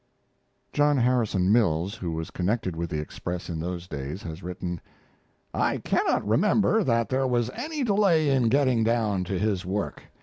John Harrison Mills, who was connected with the Express in those days, has written: I cannot remember that there was any delay in getting down to his work.